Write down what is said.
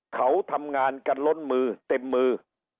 เขาทำงานกันล้นมือเต็มมือ